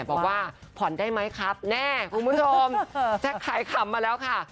บอกว่าผ่อนได้ไหมครับแน่คุณผู้ชมแจ๊คขายขำมาแล้วค่ะ